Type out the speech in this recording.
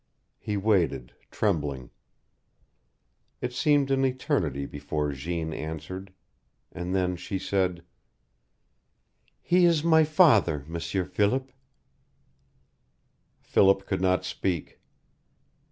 He waited, trembling. It seemed an eternity before Jeanne answered. And then she said: "He is my father, M'sieur Philip." Philip could not speak.